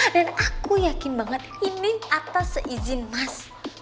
dan aku yakin banget ini atas izin mas